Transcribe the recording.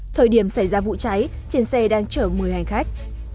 thời điểm xảy ra vụ cháy trên xe đang chở một mươi hành khách